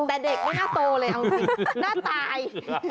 แต่เด็กไม่น่าโตเลยเอาจริงน่าตาย